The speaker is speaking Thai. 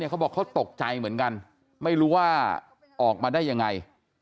เขาบอกเขาตกใจเหมือนกันไม่รู้ว่าออกมาได้ยังไง